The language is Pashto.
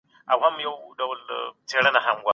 له ځان څخه هلک جوړ کړی وو